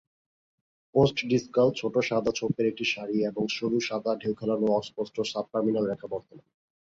Post-discal ছোট সাদা ছোপের একটি সারি এবং সরু, সাদা, ঢেউ খেলানো ও অস্পষ্ট সাব-টার্মিনাল রেখা বর্তমান।